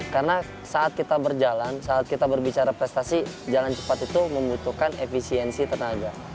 karena saat kita berjalan saat kita berbicara prestasi jalan cepat itu membutuhkan efisiensi tenaga